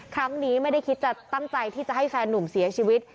ครั้งนี้ไม่ได้คิดจะตั้งใจที่จะให้แฟนนุ่มเสียชีวิต